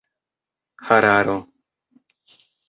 hararo